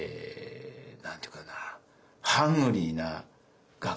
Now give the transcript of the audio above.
何て言うかな。